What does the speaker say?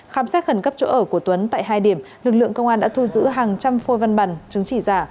khám xét khẩn cấp chỗ ở của tuấn tại hai điểm lực lượng công an đã thu giữ hàng trăm phôi văn bằng chứng chỉ giả